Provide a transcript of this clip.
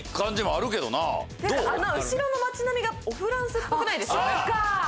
あの後ろの街並みがおフランスっぽくないですか？